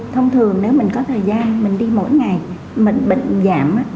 thông thường nếu mình có thời gian mình đi mỗi ngày mình bệnh giảm giảm bệnh